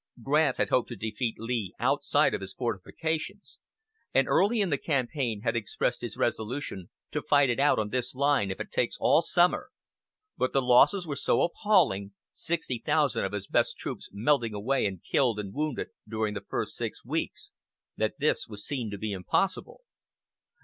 Grant had hoped to defeat Lee outside of his fortifications, and early in the campaign had expressed his resolution "to fight it out on this line if it takes all summer"; but the losses were so appalling, 60,000 of his best troops melting away in killed and wounded during the six weeks, that this was seen to be impossible.